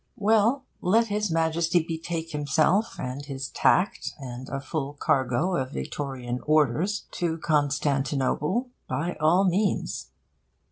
Well, let His Majesty betake himself and his tact and a full cargo of Victorian Orders to Constantinople, by all means.